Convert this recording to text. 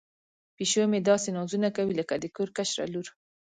پیشو مې داسې نازونه کوي لکه د کور کشره لور.